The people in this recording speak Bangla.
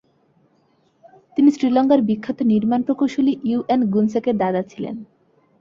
তিনি শ্রীলঙ্কার বিখ্যাত নির্মাণ প্রকৌশলী ইউ.এন. গুণসেকের দাদা ছিলেন।